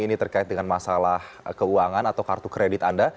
ini terkait dengan masalah keuangan atau kartu kredit anda